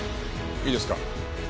いいですか？